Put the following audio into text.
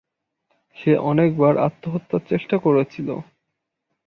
সে অনেক বার আত্মহত্যার চেষ্টা করেছিল।